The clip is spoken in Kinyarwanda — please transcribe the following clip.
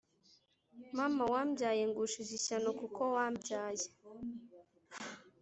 Mama wambyaye ngushije ishyano kuko wambyaye